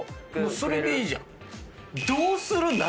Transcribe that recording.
それでいいじゃん。